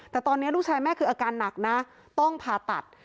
แต่ตอนนี้ลูกชายแม่คืออาการหนักนะต้องผ่าตัด